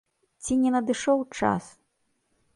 Ці не надышоў час?